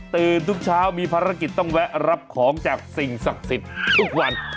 ทุกเช้ามีภารกิจต้องแวะรับของจากสิ่งศักดิ์สิทธิ์ทุกวัน